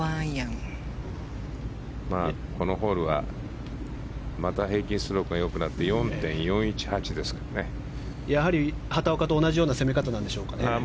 このホールはまた平均ストロークが良くなってやはり畑岡と同じような攻め方なんでしょうか。